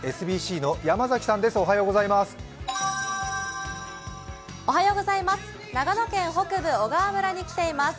ＳＢＣの山崎さんです、おはようございます。